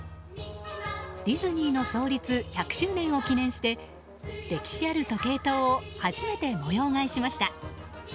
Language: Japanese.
ディズニーの創立１００周年を記念して歴史ある時計塔を初めて模様替えしました。